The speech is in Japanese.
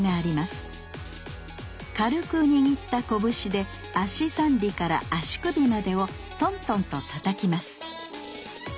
軽く握った拳で足三里から足首までをトントンとたたきます